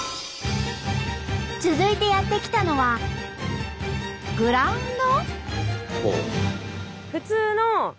続いてやって来たのはグラウンド？